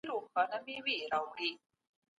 د سرمايې د حاصل د لوړولو لپاره پوره هڅه وکړئ.